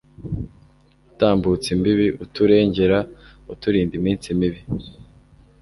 Utambutse imbibi uturengera Uturinda iminsi mibi,